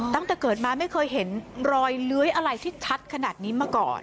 ตั้งแต่เกิดมาไม่เคยเห็นรอยเลื้อยอะไรที่ชัดขนาดนี้มาก่อน